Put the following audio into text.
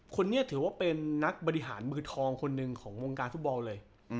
คนนี้ถือว่าเป็นนักบริหารมือทองคนหนึ่งของวงการฟุตบอลเลย